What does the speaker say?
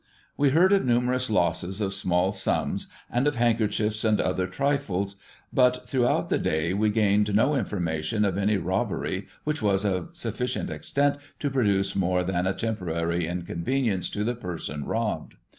We heard of numerous losses of small sums, eind of handkerchiefs and other trifles. Digiti ized by Google 1838] CORONATION FESTIVITIES. 59 but, throughout the day, we gained no information of emy robbery which was of sufficient extent to produce more than a temporary inconvenience to the person robbed.